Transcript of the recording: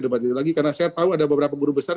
debat itu lagi karena saya tahu ada beberapa guru besar